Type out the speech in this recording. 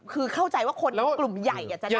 คือเข้าใจว่าคนกลุ่มใหญ่